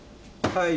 はい。